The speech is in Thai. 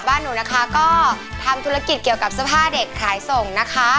บ้านหนูนะคะก็ทำธุรกิจเกี่ยวกับเสื้อผ้าเด็กขายส่งนะคะ